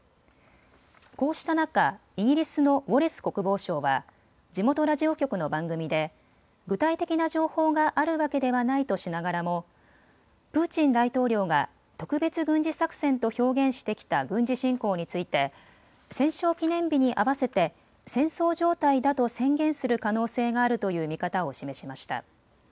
こうした中、イギリスのウォレス国防相は地元ラジオ局の番組で具体的な情報があるわけではないとしながらもプーチン大統領が特別軍事作戦と表現してきた軍事侵攻について戦勝記念日に合わせて戦争状態だと宣言する可能性があるという見方を示しました。